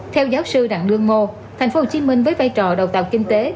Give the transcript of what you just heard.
theo giáo sư đặng lương ngô thành phố hồ chí minh với vai trò đầu tàu kinh tế